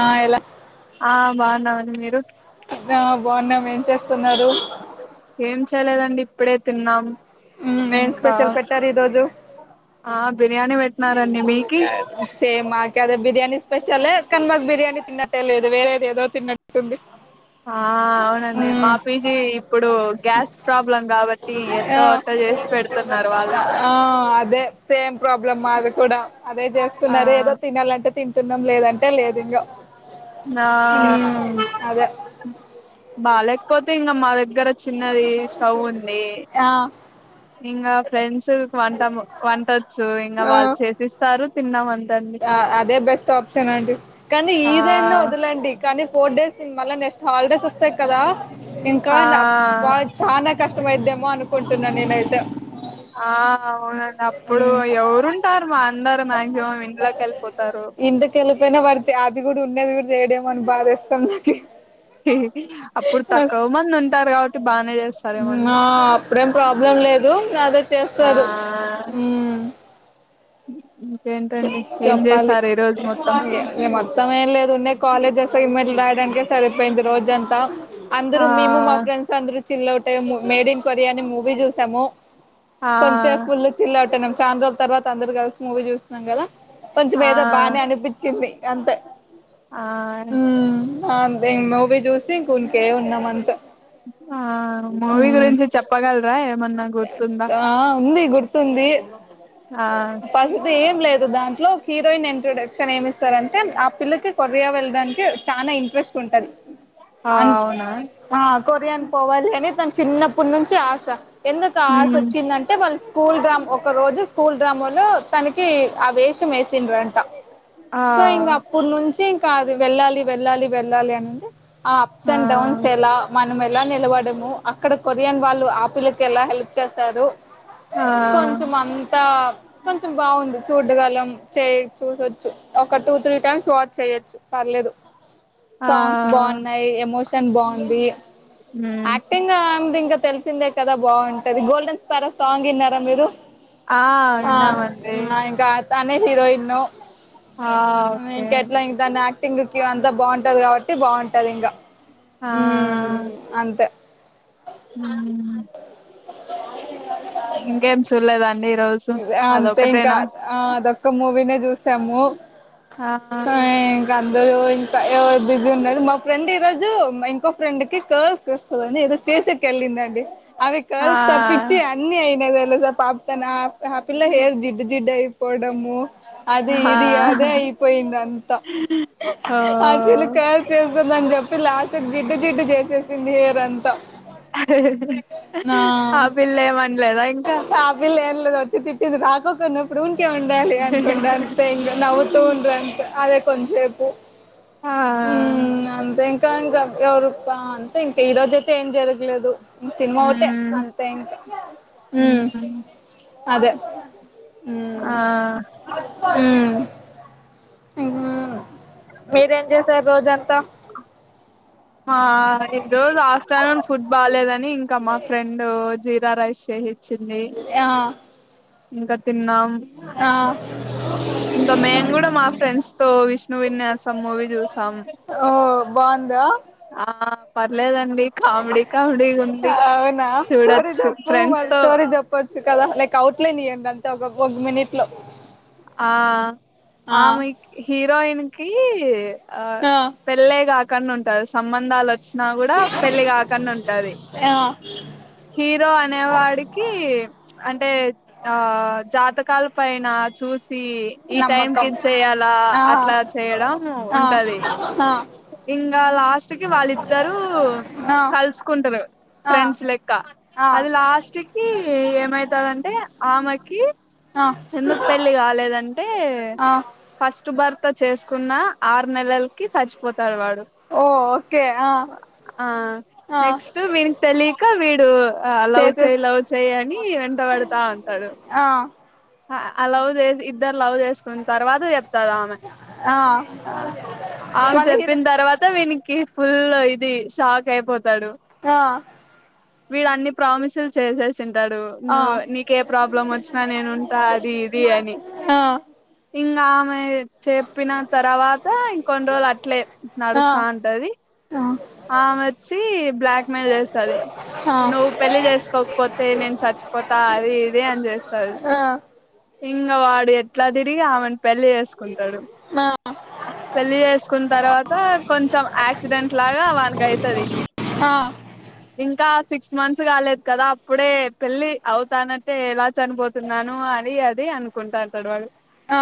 ఆ ఎలా ఆ బాగున్నామండి మీరు బాగున్నాం ఏం చేస్తా ఏం చేయలేదండి ఇప్పుడే తిన్నాం ఉమ్ ఏం ఇంకా స్పెషల్ పెట్టారు ఈ రోజు ఆ బిర్యానీ వ సే మా ద బిర్యానీ స్పెషల్ కానీ మాకు బిర్యానీ తిన్నట్టే లేదు వేరేది ఏదో తిన్నట్టుంది ఆ అవునండి మా ఉమ్ పీజీ ఇప్పుడు గ్యాస్ ప్రాబ్లం కాబట్టి ఆ ఎంతో అటో చేసి పెడుతున్నారు వాళ్ళు కూడా ఆ అదే సేమ్ ప్రాబ్లం మాది కూడా అదే ఆ చేస్తున్నారు ఏదో తినాలంటే తింటు అన్నం లేదంటే లేదు ఇంగా నా అదే బాలేకపోతే ఇంగ మా దగ్గర చిన్నది స్టవ్ ఉం ది ఆ ఇంకా ఫ్రెండ్స్ సు వంటము వంటొచ్చు ఇంగ ఆ వాళ్ళు చేసిస్తారు తిన్నమంద్ అదే బెస్ట్ ఆప్షన్ అండి కానీ ఆ ఈదైనా వదలండి కానీ ఫోర్ డేస్ మల్ల నెస్ట్ హాలిడేస్ ఓస్ వస్థాయి కదా ఇంకా నా ఆ చనా కష్టమైద్దేమో అను కుంటున్న నీనైతే ఆ అవునండి అప్పుడు ఎవరుంటారూ మా అందరు మాక్సిమం ఇంట్ల కెళ్ళిపోతారు పైన పడితే అది కూడా ఉన్నది చేడి అని బాధస్తుంది అప్పుడు తక్కువ మంది ఉంటారు కాబట్టి బానే చేస్తారేమోండి నా ఆ అప్పుడే ప్రాబ్లెం లేదు నద ఆ చేస్తారు ఉ ఇంకేంటండి ఏం చెప్పాలి చేసారు ఈ రోజు మొత్తం మొత్తం ఏం లేదు ఉండే కాలేజ్సమ్మెలు రాయడానికే సరిపోయింది రోజ అంతా అందరూ ఆ మేము మా ఫ్రెండ్స్ అందరు చికితేము మేడ్ ఇన్ కొరియా అని మూవీ చూసాము ఆ కొంచెం ఫుల్ చిల్లౌట్ ఆయనం చాలా రోజుల తర్వాత అదరు కలిసి మూవీ చూ మంగళ కొంచెం ఆ ఏదో బానే అనిపించింది అంతే ఆ ఉ మేము మూవీ చూసి ఇంక ఇంకే ఉన్నామంత ఆ మూవీ గురించి చెప్పగలరా ఎమన్నా ఆ ఉంది గుర్ ఉంది ఆ పసతి ఏం లేదు దాం లో హీరోయిన్ ఇంట్రొడక్షన్ ఏమిస్తారంటే ఆ పిల్లకి కొరియా వెళ్ళడానికి చాలా ఇంట్రెస్ట్ ఉంటది ఆ ఆన్ అవునా ఆ కొరియాన్ పోవాలని తన చిన్నప్పనుంచి ఆశ ఎందుకు ఆశ మ్మ్ వచ్చిందంటే వాళ్ళు స్కూల్ రా ఒక రోజు స్కూల్ గ్రామంలో తనకి ఆ వేషం వేసిండ్రంట ఆ సో ఇంగా అప్పట్ నుంచి కాదు వెళ్ళాలి వెళ్ళాలి వెళ్ళాలి అనిండె ఆ అప్స్ అండ్ డౌన్స్ ఎలా మనం ఎలా నిలవడము అక్కడ కొరియన్ వాళ్ళు ఆ పిల్ల కేలా హెల్ప్ చేస్తారు ఆ కొంచం అంతా కొంచెం బాగుంది చూడ్డగలం చే చూసొచ్చు ఒక టూ త్రీ టైమ్స్ వాచ్ చేయొచ్చు పర్లేదు ఆ సాంగ్స్ బాగున్నాయి ఎమోషన్ బాగుంది మ్మ్ యాక్టింగ్ అదింకా తెలిసిందే కదా బాగుంటది గోల్డెన్ స్పారో సాంగ్ విన్నారా మీరు ఆ ఆ విన్నామండి ఇంకా తనే హీరోయిన్ను ఆ ఓకే ఇంకేట్లా దానా యాక్ట్ టింగికి అంత బాగుంటది కాబ టే బాగుంటది ఇంకా ఆ ‌హ్మ్మ్ అంతే హ్మ్మ్ ఇంకేం సుల్డేద్ అంతే ఇంకా అదొక్క మూవినే జుసాము ఆ ఇంకా అందరు ఇంకా ఎవరు బిజీ ఉన్నారు మా ఫ్రెండ్ ఈ రోజు ఇంకో ఫ్రెండ్ కి కర్ల్స్ వస్తుందని ఏదో చేసకి ఏళ్ళిందండి అవి ఆ కల్స్ తప్పించి అన్ని అయినవే జా పాపత నా ఆ పిల్ల హెయిర్ జిడ్ జిడ్ అయి పోడము అది ఆ ఇది అదే అయిపోయింది అంతా ఓ అసలు కల్ చేస్తుందని చెప్పి లాస్ట్ జిడ్ జిడ్డు చేసేసింది హెయిర్ అంతా ఆ పిల్ల ఏమనలేదా ఇంకా ల తిట్టింది రాకున్నప్పుడు ఉకే ఉండాలి అనుకుంతా ఇంకా నవ్వుతూ ఉండ్ర అంట అ కొంచెపు ఆ ఉమ్మ్ అంతే ఇం తొంగ ఎవరప్పా అంటే ఇంకా ఈరోజు అయితే ఏం జరగ లేదు సినిమా ఒకటే మ్మ్ అంతే ఇంకా హుం మ్మ్ అదే ఆ ఊమ్ ఊమ్ ఆహా మీరేం చేసారు రోజంతా ఆ ఈ రోజు ఆస్థానం ఫుడ్ బాలేదని ఇంకా మా ఫ్రెండ్ జీరా రైస్ చే చింది ఆ ఇంకా తిన్నా ఆ ఇంకా మేము కూడా మా ఫ్రెండ్స్ తో విష్ణు విన్యాసం మూవీ చూసాం ఓ బాగుందా ఆ పర్లేదండి కామెడీ కామెడీగా ఉంది అవునా స్టోరీ చూడొచ్చు జప్పు ఫ్రెండ్స్ మరి తో స్టోరీ చెప్పొచ్చు కదా లైక్ అవుట్ లైన్ ఇయ్యండి ఇంత ఒక ఒక మినిట్ లో ఆ ఆ ఆమె హీరోయిన్ కి ఆ పెల్లేగా కం ఉంటారు సంబంధాలు వచ్చినా కూడా పెళ్లి కాకండా ఉంటది ఆ హీరో అనేవాడికి అంటే ఆ జాతక కాల్ పయనా చూస్ ఈ టైం నమ్మకం కిది చెయాలా ఆ అట్లా చేయడం ఆ ఉంటది ఆ ఇంకా లాస్ట్ కి వాళ్ళిద్దరు ఆ కలుసుకుంటారు ఆ ఫ్రెండ్స్ లెక్క ఆ అది లాస్ట్ కి ఏమైతాడుంటే ఆమెకి కీ ఆ ఎందుకు పెళ్లి కాలేదంటే ఆ ఫస్ట్ భర్త చేసుకున్న ఆరు నెలలకి చచ్చిపోతా వాడు ఓ ఓకే ఆ ఆ ఆ నెక్స్ట్ వీకి తెలియక వీడు లవ్ చేయి చేసేసి లవ్ చేయి అని వెంట పడుతూ ఉంటాడు ఆ అలవ్ చేసి ఇద్దరినీ లవ్ చేసుకున్న తర్వాత చెప్తారు ఆమె ఆ ఆమె వాళ్ళ హీరో చెప్పిన తర్వాత వినీ ఫుల్ ఇది షాక్ అయిపోతాడు అహా వీడు అన్ని ప్రామిసులు చేసేసి తింటాడు ఆ నువ్వు నీక ఏ ప్రాబ్లం వచ్చినా నేను అది ఇది అని ఆ ఇంగా ఆమె చెప్పిన తర్వాత ఇంకొన్ని రోజులు అట్లే ఆ ఆ ఆ నడుస్తా ఉంటది ఆమెచ్చి బ్లాక్మెెయిల్ చేస్తంది ఆ ఆ నువ్వు పెళ్లి చేసుకోకపోతే నేను చచ్చిపోతా అది ఇది అని చేస్తంది ఆ ఇంగ వాడ్ ఇడు ఎట్లా తిరిగి ఆమెను పెళ్లి చేసుకుంటాడు పెళ్లి చేసుకున్న తర్వాత కొంచం యాక్సిడెంట్ లాగా వనికి అయితది ఇంకా సిక్స్ మంత్స్ కాలేదు కదా అప్పుడే పెళ్లి అవుతానంటే ఎలా చనిపోతం నను అది అది అనుకుంటాంటడు వాడు ఆ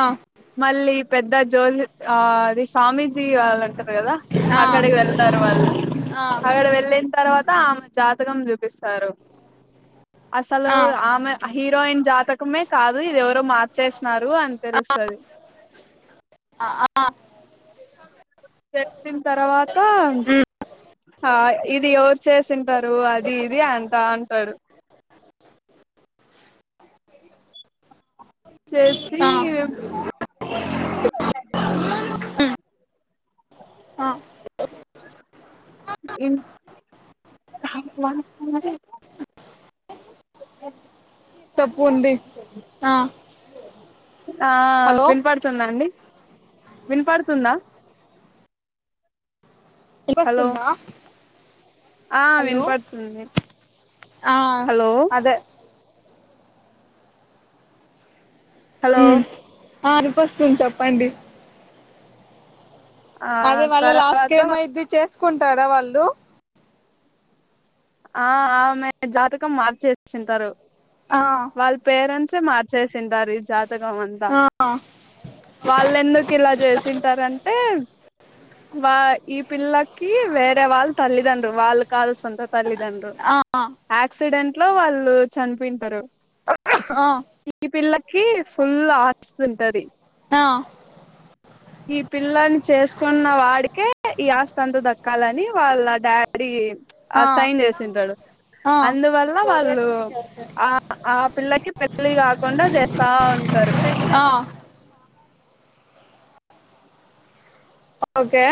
మళ్ళీ పెద్ద జోల్ ఆ అది సామి సీ కావాలంటరు కదా అక్కడికి వెళ్తారు వాళ్ళు అక్కడ వెళ్ళిన తర్వా ఆ ఆమె జాతకం చూపిస్ సారు అసలు ఆ ఆ ఆ ఆమె అ హీరోయిన్ జాత కుమే కాదు ఇది ఎవ్ మార్చేసినారు అని తెలుస్తది అ ఆ తెలిసిన్ తర్వాత ఉమ్ ఆ ఇది ఎవరు చేసింటారు అది ఇది అంటా ఉంటడు. చేసి ఆ ఆ ఇన్ [unintelligible] చేప్పు ఉంది ఆ ఆ హలో వినపడుతుంద అండి వినపడుతుందా ఇన్ హలో పస్తుందా ఆ వినపడుతుంది ఆ హలో అదే హలో ఉమ్ ఆ ఇన్ పస్తుంది చెప్పండి ఆ అదే వాళ్ళ లాస్ట్ తర్వాత గేమ్ అయ్యిద్ది చేస్ కుంటాడ వాళ్ళు ఆ ఆమె జాతకం మార్చే సింటరు ఆ వాల్ పేరెంట్స్ మార్చేసిండారు ఈ జా సగం అంత ఆ వాళ్లెందుకు ఇలా చేసింటరంటే వా ఈ పిల్లకి వేరే వాళ్ళు తల్లిదండు వాళ్ళు కాదు సొంత తల్లిదండ్రు ఆ ఆ ఆక్సిడెన్ ట్లో వాళ్ళు చనిపోయింటరు ఈ పిల్ల కి ఫుల్ ఆస్తుంటది ఆ ఈ పిల్లని చేసుకున్న వాడికే ఈ అస్తంత దక్కాలని వాళ్ళ డాడీ ఆ సైన్ చేసింటడు ఆ అందువల్ల వాళ్ళు ఆ ఆ పిల్లకి లి కాకుండా చేస్తా ఉంటారు ఆ ఓకే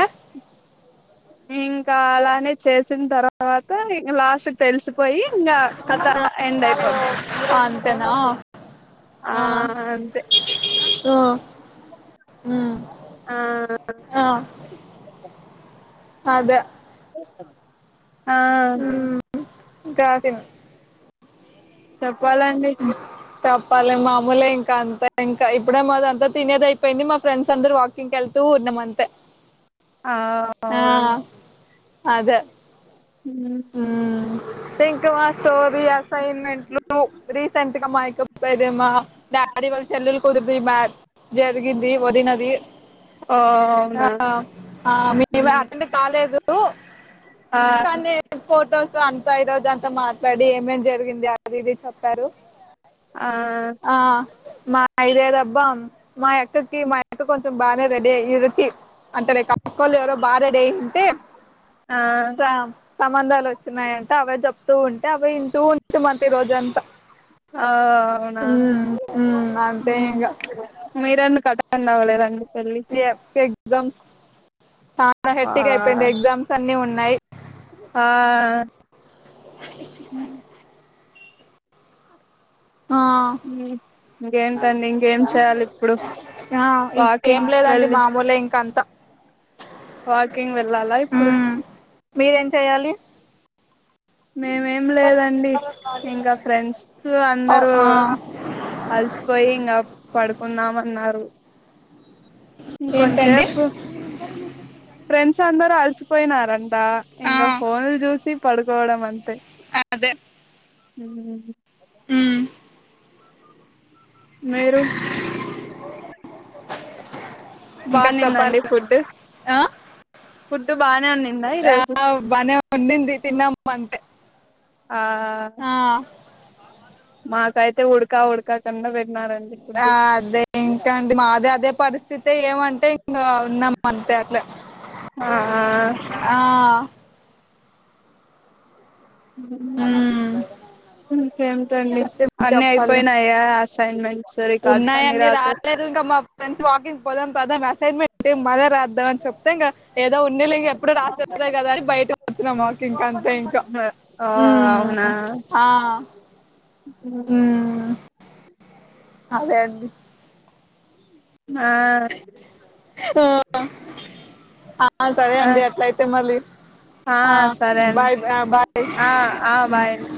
ఇంకా అలానే చేసిన తర్వాత లాస్ట్ తెలిసిపోయి ఇంకా కథ ఎండ్ అయిపోద్ది అంతేనా ఆ ఆ అంతే ఆ ఆ అదే ఆ ఇంక రాదేమో చెప్పాలండి ప్పలేి మామూలే ఇంకా అంతా ఇంకా ఇప్పుడే మాద అంతా తినేది అయిపోయింది మా ఫ్రెండ్స్ అందరు వాకింగ్కి వెళ్తూ ఉన్నాం అంతే ఆ ఆ అవును అదే ఉ ఇంకా మా స్టోరీ అసైన్మెంట్లు రీసెంట్ గా మాయక్క పె దే మా డాడీ వాళ్ళ చెల్లలు కూతురిది బా జరిగింది వదినది ఓ అవునా అటెండ్ కాలేదు ఆ కానీ ఫొటోస్ అంతా ఈ రోజు అంతా మాట్లాడి ఏమేం జరిగింది అది ఇది చెప్పారు ఆ ఆ మా ఐదదబ్బా మాయక్కకి మాయక్క కొన్ ఇష్టం బానే రెడీ అయ్యి ఈరతి అంటే రే కాక్కళు ఎవరో బా రెడీ అయ్యింటే ఆ సంబంధాలు వచ్చినన్నాయంట అవి చెప్తూ ఉంటే అవి వింటూ అవునా ఉమ్ ఉమ్ అంతే ఉ ఇంగ మీరన్ అటెండ్ అవ్వలేదండి పెళ్ళి ఇ ఎగ్జామ్ చానా ఆ హెట్టిక్ అయిపోయింది ఎగ్జామ్స్ అన్ని ఉన్నాయి ఆ అ ఆ ఇంకేంటండి ఇంకేం చేయాలి ఇప్పుడు ఆ ఇంకేం వాకింగ్ లేదండి వెళ్ళి మామూలే ఇంకంతా వాకింగ్ వెల్ వెళ్లాలా ఇప్పుడు ఉమ్ మీరేం చెయ్యాలి మేమేం లేదండి ఇంకా ఫ్రెండ్స్ ఓ అందరూ ఆ అలసిపోయి ఇంగా పడుకుందాం అన్నారు ఏంటండి ఇంకొంచేసేపు ఫ్రెండ్స్ అందరు అలసిపోయినారన్ డ ఆ ఇంక ఫోనులు చూసి పడుకోవడం అంతే అదే ఉ మీరు బా ఇంకా చెప్పాలి ఉండిందండి ఫుడ్ ఆ ఫుడ్ బాగానే ఉంది ఆ బనే ఉండింది తిన్నామ్ అంతే ఆ ఆ మాకైతే ఉడ్క ఉడ్క కుండా బెట్ ఆ అదే ఇంకాండి మాది అదే పరిస్థితే ఏమంటే ఇంకా ఉన్నాం అంతే అట్లా ఆ ఆ ఆ ఉమ్ ఇంకేం తొండి డిఅన్ని చెప్పాలి అయిపోయినాయా అసైన్మెంట్స్ రికార్డ్స్ అన్ని ఉన్నాయన్ని రాసేస్ రాలేదు ఇంకా మా ఫ్రెండ్స్ వాకింగ్ పోదం పదమే అసైన్మెంట్ మల్ల రాద్ ద్దాం అని చెప్తే ఇంకా ఏదో ఉండేలే ఇగ ఎప్పుడు రాసేదే కదా అని బయటకి వచ్చినాము వాకింగ్ అంతే ఇంకా ఓ అవునా ఉమ్ ఆ ఉమ్ అదే అండి ఆ ఆ సరే ఆ అండి అట్ల అయితే మళ్ళీ ఆ సరే అండి బాయ్ బాయ్ ఆ ఆ బాయ్ అండి.